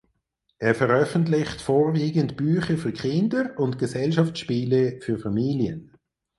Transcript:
Er veröffentlicht vorwiegend Bücher für Kinder und Gesellschaftsspiele für Familien.